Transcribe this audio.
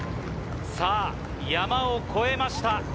山を越えました。